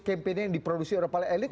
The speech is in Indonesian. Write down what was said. campaign yang diproduksi oleh para elit